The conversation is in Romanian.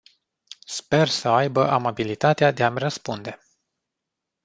Sper să aibă amabilitatea de a-mi răspunde.